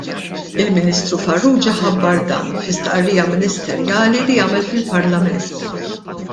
Il-Ministru Farrugia ħabbar dan fi stqarrija ministerjali li għamel fil-Parlament.